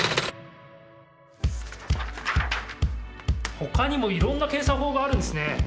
ほかにもいろんな検査法があるんですね。